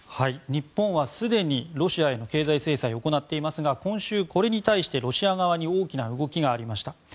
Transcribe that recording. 日本はすでにロシアへの経済制裁を行っていますが今週これに対してロシア側に大きな動きがありました。